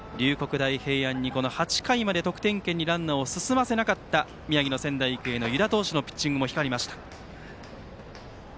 大平安に８回まで得点圏にランナーを進ませなかった宮城の仙台育英湯田投手のピッチングも光りました。